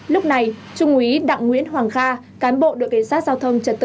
lúc này trung úy đặng nguyễn hoàng kha cán bộ đội cảnh sát giao thông trật tự